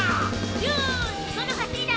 よしその走りだ！